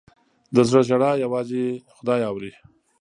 د زړه ژړا یوازې خدای اوري.